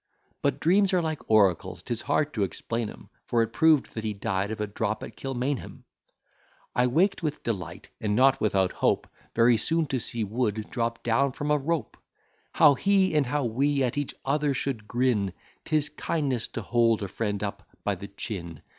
But dreams are like oracles; 'tis hard to explain 'em; For it proved that he died of a drop at Kilmainham. I waked with delight; and not without hope, Very soon to see Wood drop down from a rope. How he, and how we at each other should grin! 'Tis kindness to hold a friend up by the chin.